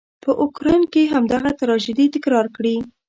په اوکراین کې همدغه تراژيدي تکرار کړي.